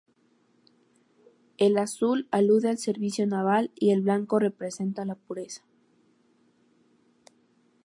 El azul alude al servicio naval, y el blanco representa la pureza.